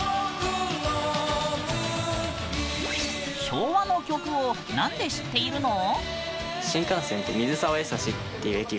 昭和の曲をなんで知っているの？